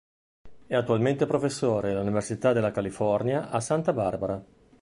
È attualmente professore all'Università della California, a Santa Barbara.